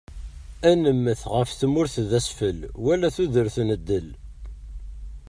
Ad nemmet ɣef tmurt d asfel, wal tudert n ddel.